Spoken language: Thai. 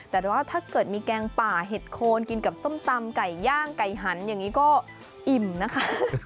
แต่ว่าถ้าเกิดมีแกงป่าเห็ดโคนกินกับส้มตำไก่ย่างไก่หันอย่างนี้ก็อิ่มนะคะ